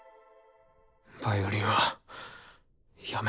ヴァイオリンはやめたんだ。